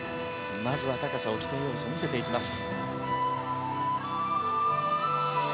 まずは高さを規定要素、見せていきます。